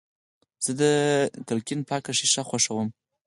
زه د کړکۍ پاکه شیشه خوښوم.